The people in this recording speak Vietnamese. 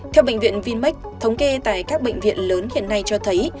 theo bệnh viện vinmec thống kê tại các bệnh viện lớn hiện nay cho thấy